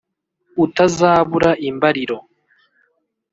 Utazabura imbariro